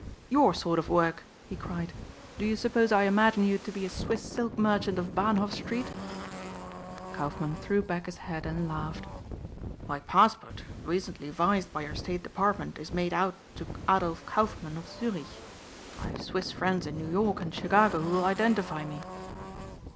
"Your sort of work!" he cried. "Do you suppose I imagine you to be a Swiss silk merchant of Bahnhof street?" Kaufmann threw back his head and laughed. "My passport recently vised by your State Department is made out to Adolf Kaufmann of Zurich. I have Swiss friends in New York and Chicago who will identify me."